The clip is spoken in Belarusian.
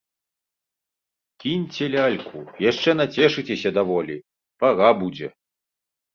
Кіньце ляльку, яшчэ нацешыцеся даволі, пара будзе.